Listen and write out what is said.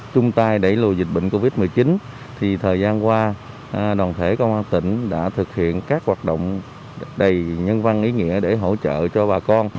chung tay đẩy lùi dịch bệnh covid một mươi chín thì thời gian qua đoàn thể công an tỉnh đã thực hiện các hoạt động đầy nhân văn ý nghĩa để hỗ trợ cho bà con